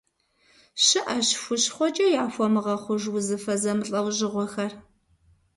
Щыӏэщ хущхъуэкӏэ яхуэмыгъэхъуж узыфэ зэмылӏэужьыгъуэхэр.